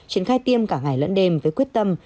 triển khai tiêm cả ngày lẫn đêm với quyết tâm